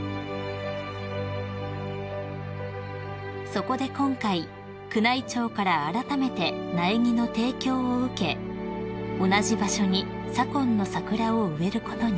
［そこで今回宮内庁からあらためて苗木の提供を受け同じ場所に左近の桜を植えることに］